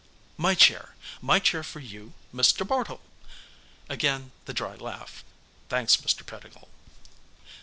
"My chair. My chair for you, Mr. Bartle!" Again the dry laugh. "Thanks, Mr. Pettigill."